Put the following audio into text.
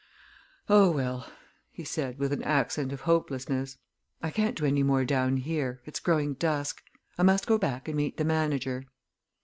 "Oh, well," he said, with an accent of hopelessness. "I can't do any more down here, it's growing dusk. I must go back and meet the manager."